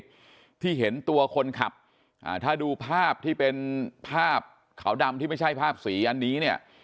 เพื่อให้เห็นตัวคนขับถ้าดูภาพที่เป็นภาพขาวดำที่ไม่ใช่ภาพสีอันนี้